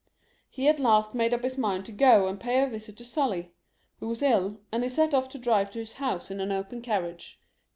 He at' last made up his mind to go and pay a visit to SuUy, who was ill, and he set off to drive to his house in an open car riage.